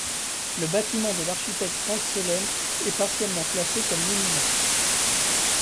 Le bâtiment de l'architecte Franz Seulen, est partiellement classé comme monument.